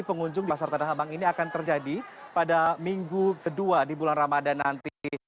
pengunjung pasar tanah abang ini akan terjadi pada minggu kedua di bulan ramadan nanti